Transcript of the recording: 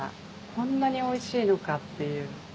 こんなにおいしいのかっていう。